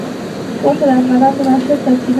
غوښې د افغانانو د معیشت سرچینه ده.